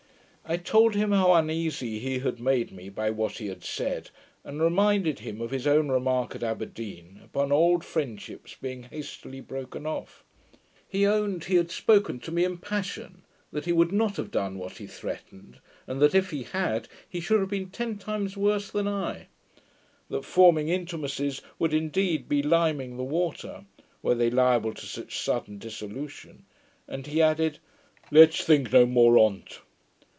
I told him how uneasy he had made me, by what he had said, and reminded him of his own remark at Aberdeen, upon old friendships being hastily broken off. He owned, he had spoken to me in passion; that he would not have done what he threatened; and that, if he had, he should have been ten times worse than I; that forming intimacies, would indeed be 'limning the water', were they liable to such sudden dissolution; and he added, 'Let's think no more on't.'